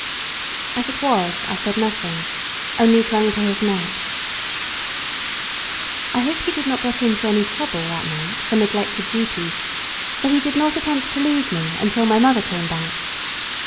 As it was I said nothing, only clung to his neck. I hope he did not get into any trouble that night for neglected duties, for he did not attempt to leave me till my mother came bade.